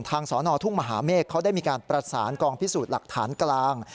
สอนอทุ่งมหาเมฆเขาได้มีการประสานกองพิสูจน์หลักฐานกลาง